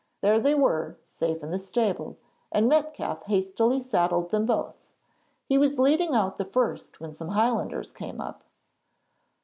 There they were, safe in the stable, and Metcalfe hastily saddled them both. He was leading out the first when some Highlanders came up.